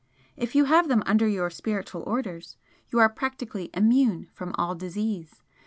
If you have them under your spiritual orders you are practically immune from all disease.